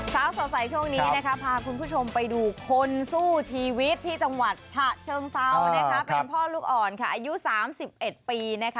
เช้าสาวใสช่วงนี้พาคุณผู้ชมไปดูคนสู้ชีวิตที่จังหวัดเชิงเซ้าเป็นพ่อลูกอ่อนอายุ๓๑ปี